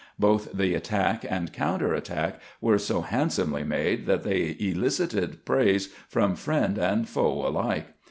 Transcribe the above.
Both the attack and counter attack were so handsomely made that they elicited praise from friend and foe alike.